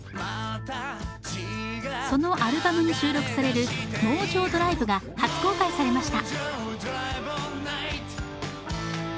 そのアルバムに収録される「ＭＯＪＯＤＲＩＶＥ」が初公開されました。